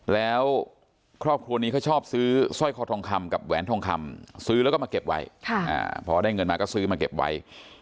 แล้วครอบครัวนี้เขาชอบซื้อสร้อยคอทองคำกับแหวนทองคำซื้อแล้วก็มาเก็บไว้พอได้เงินมาก็ซื้อมาเก็บไว้